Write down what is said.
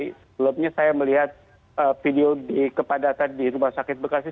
sebelumnya saya melihat video di kepadatan di rumah sakit bekasi